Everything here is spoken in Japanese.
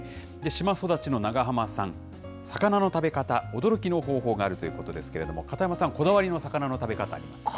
島育ちの長濱さん、魚の食べ方、驚きの方法があるということですけれども、片山さん、こだわりの魚の食べ方ありますか？